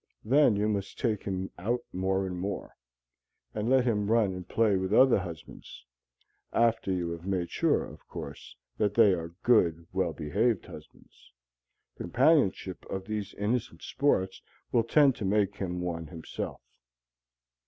Then you must take him out more and more, and let him run and play with other husbands after you have made sure, of course, that they are good, well behaved husbands. The companionship of these innocent sports will tend to make him one himself.